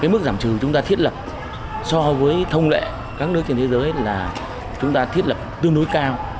mức giảm trừ chúng ta thiết lập so với thông lệ các nước trên thế giới là chúng ta thiết lập tương đối cao